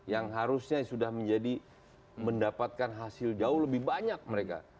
yang harusnya sudah menjadi mendapatkan hasil jauh lebih banyak mereka